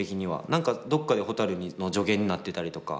何かどっかでほたるの助言になってたりとか